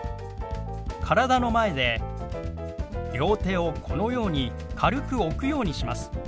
体の前で両手をこのように軽く置くようにします。